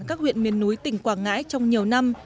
các mô hình quảng ngãi trong nhiều năm